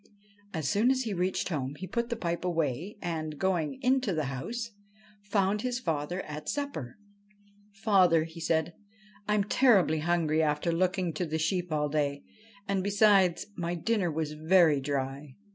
As soon as he reached home he put the pipe away, and, going into the house, found his father at supper. ' Father,' said he, ' I am terribly hungry after looking to the sheep all day ; and, besides, my dinner was very dry.'